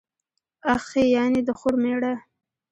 اخښی، يعني د خور مېړه.